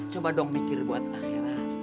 coba dong mikir buat ashera